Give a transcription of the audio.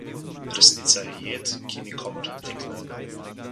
Resnica je jed, ki nikomur ne tekne.